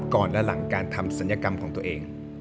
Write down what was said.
ก่อนและหลังการทำศัลยกรรมของตัวเอง